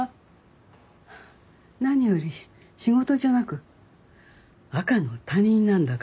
何より仕事じゃなく赤の他人なんだから。